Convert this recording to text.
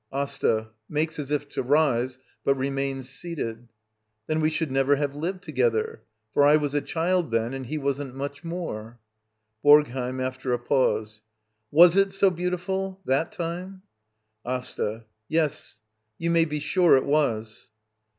AsTA. [Makes as if to rise, but remains seated.] Then we should never have lived together. For I was a child then — and he wasn't much more. BoRGHEiM. [After a pause.] fFas it so beauti ful ^ that time? AsTA. Yes, you may be sure it was.